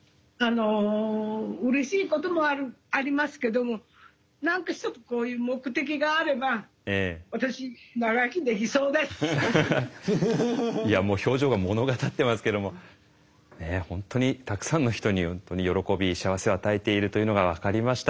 うれしいこともありますけども何か一つこういう目的があればいやもう表情が物語ってますけども本当にたくさんの人に喜び幸せを与えているというのが分かりました。